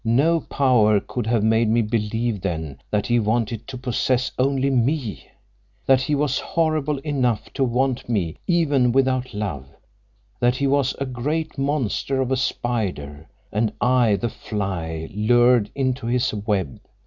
No power could have made me believe then that he wanted to possess only me; that he was horrible enough to want me even without love; that he was a great monster of a spider, and I the fly lured into his web.